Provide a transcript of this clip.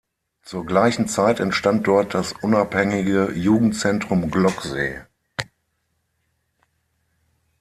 Zur gleichen Zeit entstand dort das Unabhängige Jugendzentrum Glocksee.